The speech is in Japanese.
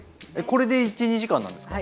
これで１２時間なんですか？